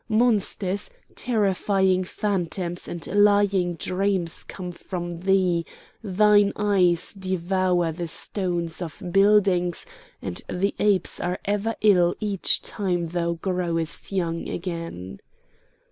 —Monsters, terrifying phantoms, and lying dreams come from thee; thine eyes devour the stones of buildings, and the apes are ever ill each time thou growest young again.